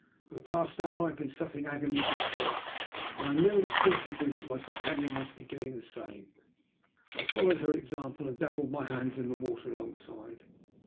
For the past hour I had been suffering agonies of thirst, and I knew, instinctively, that my companion must be doing the same. I followed her example and dabbled my hands in the water alongside.